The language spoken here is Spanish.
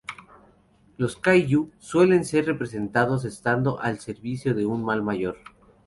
Los "kaiju" suelen ser representados estando al servicio de un mal mayor.